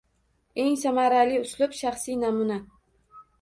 Eng samarali uslub – shaxsiy namuna